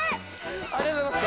ありがとうございます。